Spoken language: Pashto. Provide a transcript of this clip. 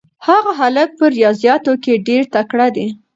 هغه هلک په ریاضیاتو کې ډېر تکړه دی.